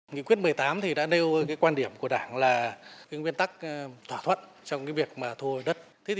nghị quyết một mươi tám đã nêu quan điểm của đảng là nguyên tắc thỏa thuận trong việc thu hồi đất